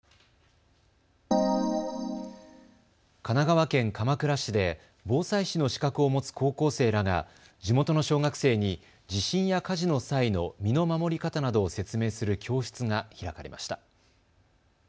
神奈川県鎌倉市で防災士の資格を持つ高校生らが地元の小学生に地震や火事の際の身の守り方などを説明する教室が開かれました。